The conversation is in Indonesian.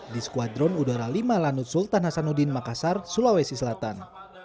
di skuadron udara lima lanut sultan hasanuddin makassar sulawesi selatan